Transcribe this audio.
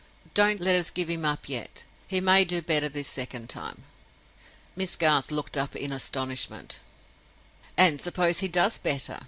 Don't let us give him up yet. He may do better this second time." Miss Garth looked up in astonishment. "And suppose he does better?"